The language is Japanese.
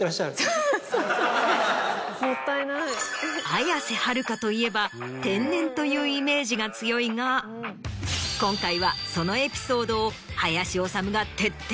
綾瀬はるかといえば天然というイメージが強いが今回はそのエピソードを。